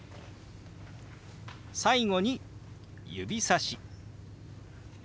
最後に指さし。